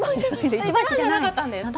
１番地じゃなかったんです。